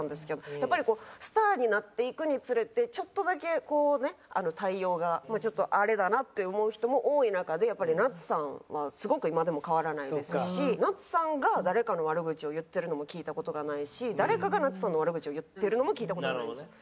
やっぱりこうスターになっていくにつれてちょっとだけこうね対応がちょっとあれだなって思う人も多い中でやっぱりなつさんはすごく今でも変わらないですしなつさんが誰かの悪口を言ってるのも聞いた事がないし誰かがなつさんの悪口を言ってるのも聞いた事がないです。